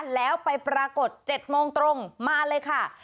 แล้วไปปรากฏ๗โมงตรงมาเลยค่ะ